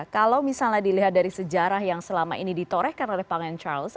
kalau misalnya dilihat dari sejarah yang selama ini ditorehkan oleh pangeran charles